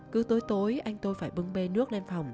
cứ tối anh tôi phải bưng bê nước lên phòng